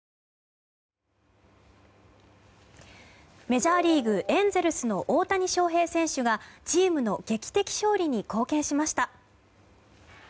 メジャーリーグエンゼルスの大谷翔平選手がチームの劇的勝利に貢献しました。